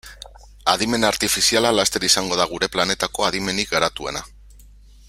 Adimen artifiziala laster izango da gure planetako adimenik garatuena.